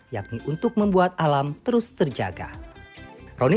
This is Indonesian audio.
yakni untuk membuat alam terus terjaga